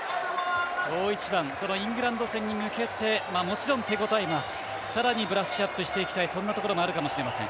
大一番イングランド戦に向けて手応えがあってさらに、ブラッシュアップしていきたいところがあるかもしれません。